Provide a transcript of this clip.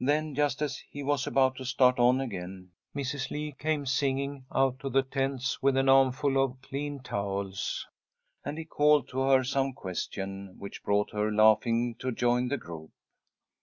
Then, just as he was about to start on again, Mrs. Lee came singing out to the tents with an armful of clean towels, and he called to her some question, which brought her, laughing, to join the group.